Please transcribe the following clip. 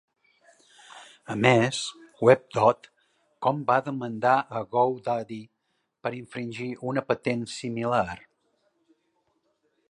A més, Web dot com va demandar a Go Daddy per infringir una patent similar.